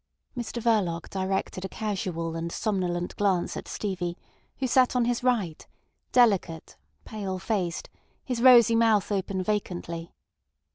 Mr Verloc directed a casual and somnolent glance at Stevie, who sat on his right, delicate, pale faced, his rosy mouth open vacantly.